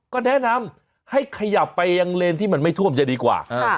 ก็แนะนำให้ขยับไปยังเลนที่มันไม่ท่วมจะดีกว่า